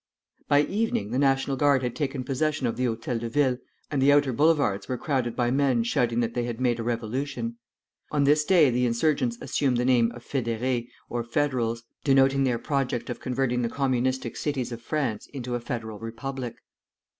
By evening the National Guard had taken possession of the Hôtel de Ville, and the outer Boulevards were crowded by men shouting that they had made a revolution. On this day the insurgents assumed the name of "Fédérés," or Federals, denoting their project of converting the communistic cities of France into a Federal Republic.